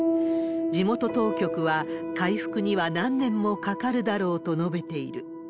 地元当局は、回復には何年もかかるだろうと述べている。